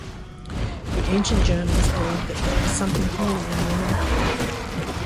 The ancient Germans believed that there was something holy in women.